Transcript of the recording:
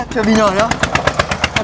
chị đi nhà đấy